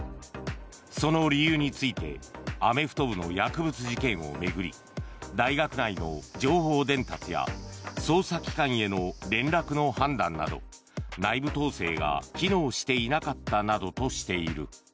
その理由についてアメフト部の薬物事件を巡り大学内の情報伝達や捜査機関への連絡の判断など内部統制が機能していなかったなどとしている。